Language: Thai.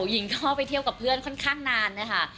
หญิงก็ไปเที่ยวกับเพื่อนค่อนข้างนานนะคะ